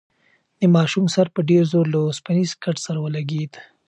د ماشوم سر په ډېر زور له اوسپنیز کټ سره ولگېد.